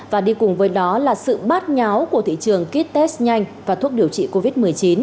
và đi cùng với đó là sự bát nháo của thị trường kit test nhanh và thuốc điều trị covid một mươi chín